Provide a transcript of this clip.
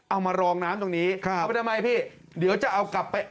เอามารองน้ำตรงนี้ครับเอาไปทำไมพี่เดี๋ยวจะเอากลับไป